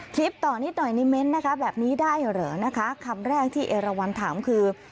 คลิปต่อนิดหน่อยนิมนต์นะคะแบบนี้ได้เหรอนะคะคำแรกที่เอราวันถามคือ